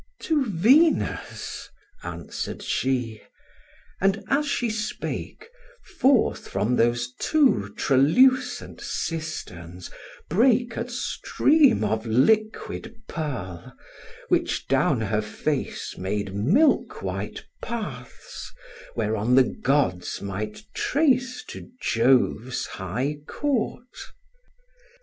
"To Venus," answer'd she; and, as she spake, Forth from those two tralucent cisterns brake A stream of liquid pearl, which down her face Made milk white paths, whereon the gods might trace To Jove's high court.